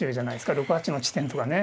６八の地点とかね。